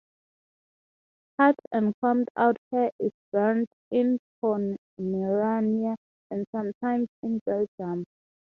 Cut and combed-out hair is burned in Pomerania and sometimes in Belgium.